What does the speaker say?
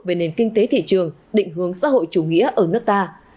về nền kinh tế thị trường định hướng xã hội chủ nghĩa ở nước ta